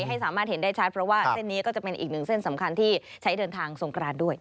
ให้สามารถเห็นได้ชัดเพราะว่าเส้นนี้ก็จะเป็นอีกหนึ่งเส้นสำคัญที่ใช้เดินทางสงกรานด้วย